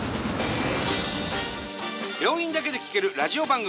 病院だけで聴けるラジオ番組。